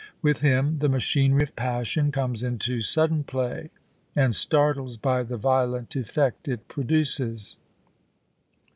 With him the machinery of passion comes into sudden play, and startles by the violent effect it produces.